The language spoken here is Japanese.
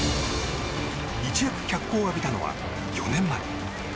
一躍、脚光を浴びたのは４年前。